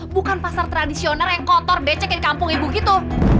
bukan pasar tradisional yang kotor becek di kampung ibu gitu